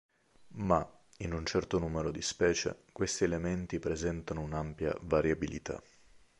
Ma, in un certo numero di specie, questi elementi presentano un'ampia variabilità.